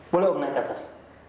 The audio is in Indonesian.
boleh om naik ke atas